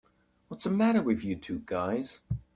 What's the matter with you two guys?